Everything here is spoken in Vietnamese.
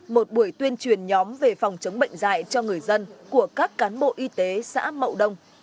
một buổi tuyên truyền nhóm về phòng chống bệnh dạy cho người dân của các cán bộ y tế xã mậu đông